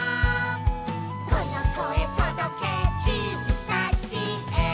「このこえとどけきみたちへ」